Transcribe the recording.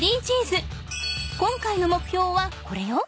今回のもくひょうはこれよ。